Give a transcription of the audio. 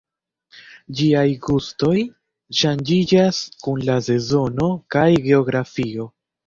Ĝiaj gustoj ŝanĝiĝas kun la sezono kaj geografio.